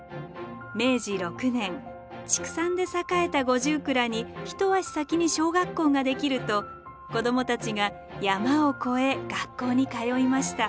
明治６年畜産で栄えた五十蔵に一足先に小学校が出来ると子どもたちが山を越え学校に通いました。